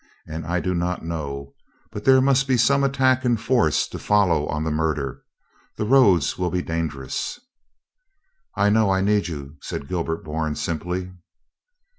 And I do not know — but there must be some attack in force to follow on the murder. The roads will be dangerous." "I know I need you," said Gilbert Bourne simply.